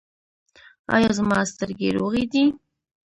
ایا زما سترګې روغې دي؟